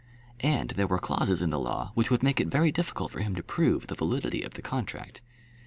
And there were clauses in the law which would make it very difficult for him to prove the validity of the contract.